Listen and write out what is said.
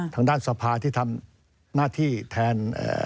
ทางด้านสภาที่ทำหน้าที่แทน